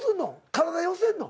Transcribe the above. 体寄せんの？